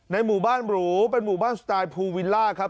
หมู่บ้านหรูเป็นหมู่บ้านสไตล์ภูวิลล่าครับ